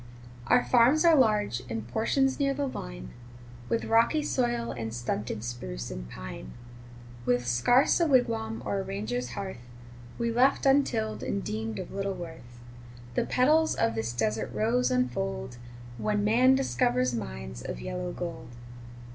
Our farms are large, and portions near the line With rocky soil and stunted spruce and pine, With scarce a wigwam or a ranger's hearth, We left untilled, and deemed of little worth; The petals of this desert rose unfold, When man discovers mines of yellow gold.